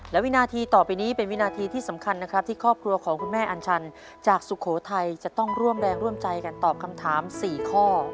และวินาทีต่อไปนี้เป็นวินาทีที่สำคัญนะครับที่ครอบครัวของคุณแม่อัญชันจากสุโขทัยจะต้องร่วมแรงร่วมใจกันตอบคำถาม๔ข้อ